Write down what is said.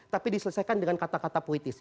tapi diselesaikan dengan kata kata politis